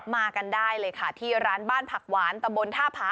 มากันได้เลยค่ะที่ร้านบ้านผักหวานตะบนท่าผา